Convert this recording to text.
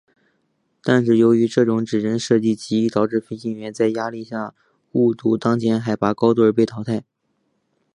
但是由于这种指针设计极易导致飞行员在压力下误读当前海拔高度而被淘汰。